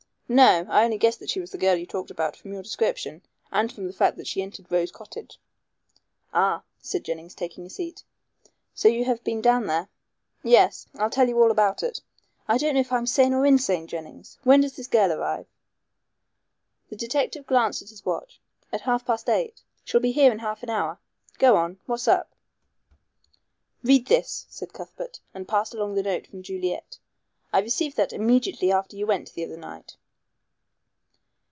"No. I only guessed that she was the girl you talked about from your description and from the fact that she entered Rose Cottage." "Ah," said Jennings, taking a seat, "so you have been down there?" "Yes. I'll tell you all about it. I don't know if I'm sane or insane, Jennings. When does this girl arrive?" The detective glanced at his watch. "At half past eight. She'll be here in half an hour. Go on. What's up?" "Read this," said Cuthbert, and passed along the note from Juliet. "I received that immediately after you went the other night."